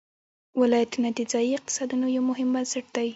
ولایتونه د ځایي اقتصادونو یو مهم بنسټ دی.